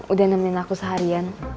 udah nemuin aku seharian